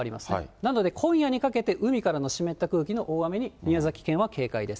なので今夜にかけて海からの湿った空気の大雨に、宮崎県は警戒です。